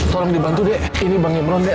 tolong dibantu dek